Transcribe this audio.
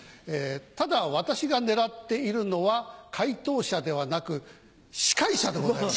ただ私が狙っているのは回答者ではなく司会者でございます。